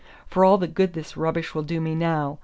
"For all the good this rubbish will do me now!